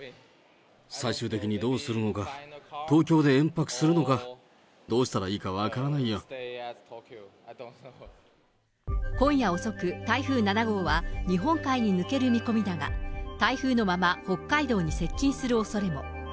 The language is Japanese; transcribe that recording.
最終的にどうするのか、東京で延泊するのか、どうしたらいいか分今夜遅く、台風７号は、日本海に抜ける見込みだが、台風のまま北海道に接近するおそれも。